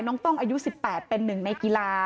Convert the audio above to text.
ต้องอายุ๑๘เป็นหนึ่งในกีฬา